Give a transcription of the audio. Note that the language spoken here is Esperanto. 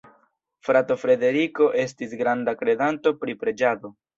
Frato Frederiko estis granda kredanto pri preĝado.